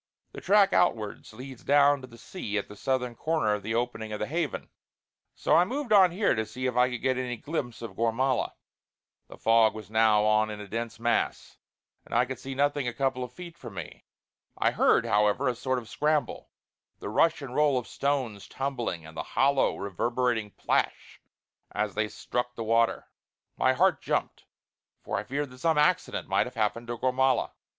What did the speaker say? The track outwards leads down to the sea at the southern corner of the opening of the Haven; so I moved on here to see if I could get any glimpse of Gormala. The fog was now on in a dense mass, and I could see nothing a couple of feet from me. I heard, however, a sort of scramble; the rush and roll of stones tumbling, and the hollow reverberating plash as they struck the water. My heart jumped, for I feared that some accident might have happened to Gormala.